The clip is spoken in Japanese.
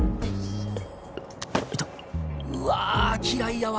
痛っうわ嫌いやわ